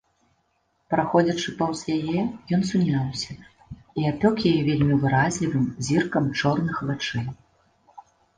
Праходзячы паўз яе, ён суняўся і апёк яе вельмі выразлівым зіркам чорных вачэй.